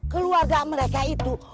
keluarga mereka itu